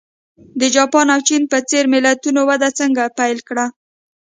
د جاپان او چین په څېر ملتونو وده څنګه پیل کړه.